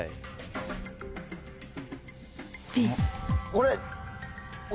これ。